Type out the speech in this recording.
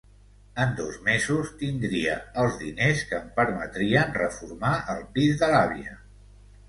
En dos mesos tindria els diners que em permetrien reformar el pis de l'àvia.